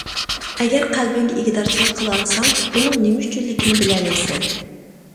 ئەگەر قەلبىڭگە ئىگىدارچىلىق قىلالىساڭ، بۇنىڭ نېمە ئۈچۈنلۈكىنى بىلەلەيسەن.